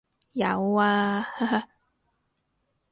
有啊，哈哈